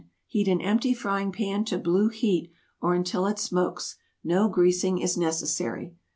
Heat an empty frying pan to blue heat, or until it smokes. _No greasing is necessary.